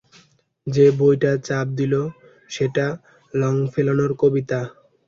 যে বইটা চাপা দিল সেটা লংফেলোর কবিতা।